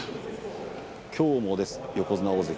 きょうも横綱大関